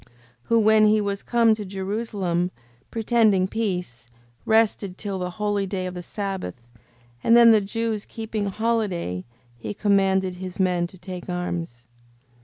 5:25. Who, when he was come to Jerusalem, pretending peace, rested till the holy day of the sabbath: and then the Jews keeping holiday, he commanded his men to take arms.